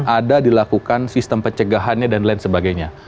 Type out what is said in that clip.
ada dilakukan sistem pencegahannya dan lain sebagainya